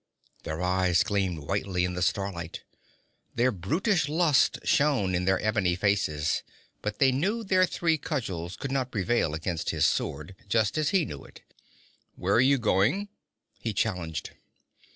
Their eyes gleamed whitely in the starlight. Their brutish lust shone in their ebony faces, but they knew their three cudgels could not prevail against his sword, just as he knew it. 'Where are you going?' he challenged.